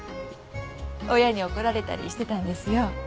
親に怒られたりしてたんですよ。